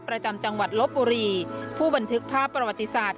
ประจำจังหวัดลบบุรีผู้บันทึกภาพประวัติศาสตร์